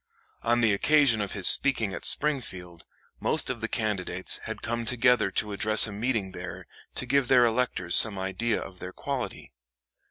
On the occasion of his speaking at Springfield, most of the candidates had come together to address a meeting there to give their electors some idea of their quality.